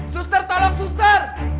sustar tolong sustar